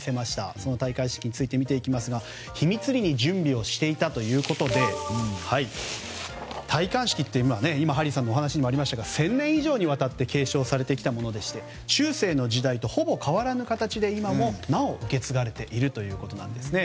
その戴冠式について見ていきますが秘密裏に準備していたということで戴冠式って、ハリーさんのお話にもありましたが１０００年以上にわたって継承されてきたものでして中世の時代とほぼ変わらぬ形で今もなお受け継がれているということです。